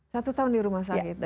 satu tahun di rumah sakit